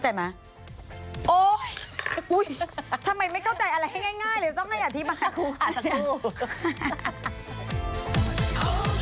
ใช่ค่ะคุณสบาย